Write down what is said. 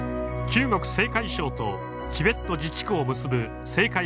中国・青海省とチベット自治区を結ぶ青海